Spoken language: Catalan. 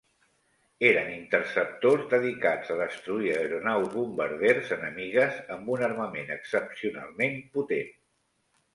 Eren interceptors dedicats a destruir aeronaus bombarders enemigues amb un armament excepcionalment potent.